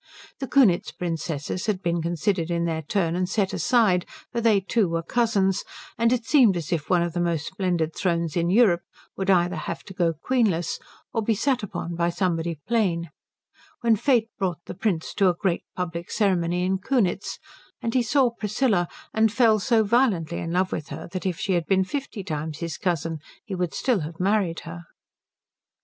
The Kunitz princesses had been considered in their turn and set aside, for they too were cousins; and it seemed as if one of the most splendid thrones in Europe would either have to go queen less or be sat upon by somebody plain, when fate brought the Prince to a great public ceremony in Kunitz, and he saw Priscilla and fell so violently in love with her that if she had been fifty times his cousin he would still have married her.